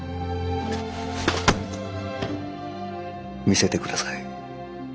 見せてください